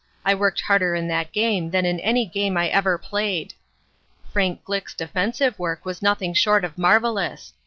I worked harder in that game than in any game I ever played. "Frank Glick's defensive work was nothing short of marvelous.